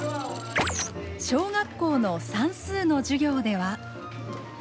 小学校の算数の授業では。